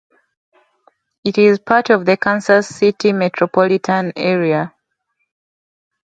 It is part of the Kansas City Metropolitan Area.